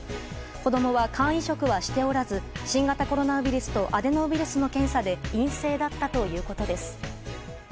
子供は肝移植はしておらず新型コロナウイルスとアデノウイルスの検査で陰性だったということです。